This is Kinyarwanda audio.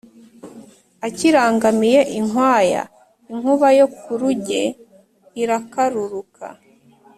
Akirangamiye inkwaya, inkuba yo ku ruge irakaruruka,